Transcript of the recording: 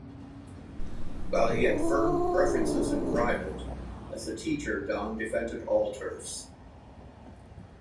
While he had firm preferences in private, as a teacher Don defended all turfs.